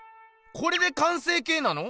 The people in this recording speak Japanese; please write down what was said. これで完成形なの？